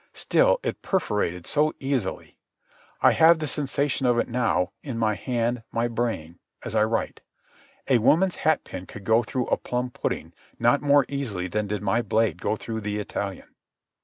Still it perforated so easily. I have the sensation of it now, in my hand, my brain, as I write. A woman's hat pin could go through a plum pudding not more easily than did my blade go through the Italian.